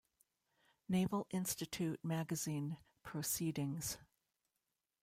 Naval Institute magazine "Proceedings".